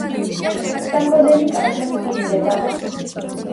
საქონელი კარგად სუქდება.